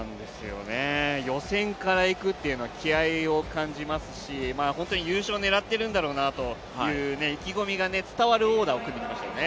予選からいくというのは気合いを感じますし本当に優勝を狙っているんだろうなという意気込みが伝わるオーダーを組んできましたね。